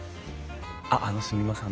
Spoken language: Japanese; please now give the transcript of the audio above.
あっあのすみません。